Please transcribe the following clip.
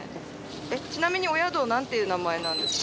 えっちなみにお宿なんていう名前なんですか？